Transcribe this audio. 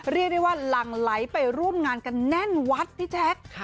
เรียกได้ว่าหลั่งไหลไปร่วมงานกันแน่นวัดพี่แจ๊ค